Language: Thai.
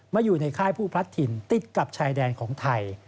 อยู่ในค่ายผู้พลัดถิ่นติดกับชายแดนของไทย